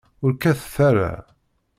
Ur kkatet ara.